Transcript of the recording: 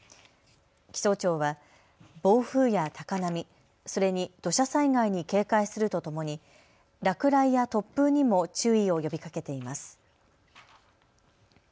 気象庁は暴風や高波、それに土砂災害に警戒するとともに落雷や突風にも注意を呼びかけています。